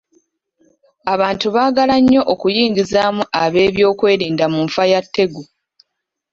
Abantu baagala nnyo okuyingizaamu ab'ebyokwerinda mu nfa ya Tegu.